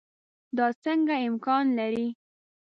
دا څنګه امکان لري.